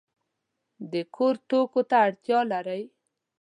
د کور توکو ته اړتیا لرئ؟